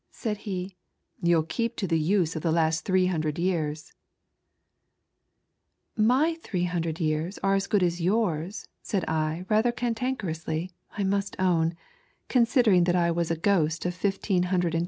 33 said he, "you'll keep to the use of the last three hundred years." " My 300 years are as good as yowrs,^ said I rather cantankerously, I must own, considering that I was a ghost of 1520 years standing.